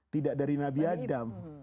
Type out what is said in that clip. tidak dari nabi adam